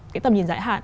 cái tầm nhìn giải hạn